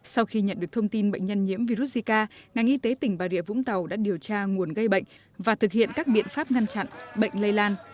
sau khi nhận được thông tin bệnh nhân nhiễm virus zika ngành y tế tỉnh bà rịa vũng tàu đã điều tra nguồn gây bệnh và thực hiện các biện pháp ngăn chặn bệnh lây lan